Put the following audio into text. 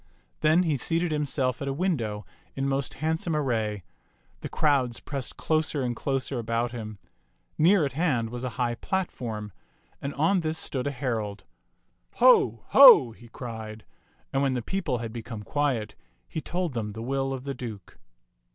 Then he seated himself at a window in most handsome ar ray. The crowds pressed closer and closer about him. Near at hand was a high platform, and on this stood a herald. " Ho ! Ho !" he cried ; and when the peo ple had become quiet, he told them the will of the Duke.